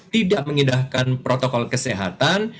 tidak mengindahkan protokol kesehatan